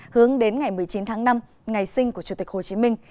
hướng đến ngày một mươi chín tháng năm ngày sinh của chủ tịch hồ chí minh